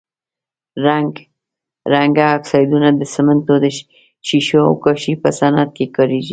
رنګه اکسایدونه د سمنټو، ښيښو او کاشي په صنعت کې کاریږي.